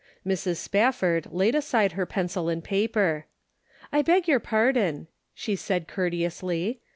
Mrs. Spafford laid aside her pencil and paper. "I beg your pardon," she said courteously.